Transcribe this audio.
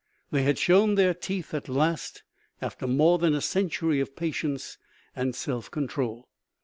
They had shown their teeth at last, after more than a century of patience and self control.